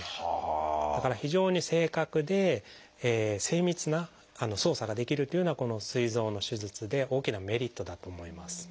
だから非常に正確で精密な操作ができるというのはこのすい臓の手術で大きなメリットだと思います。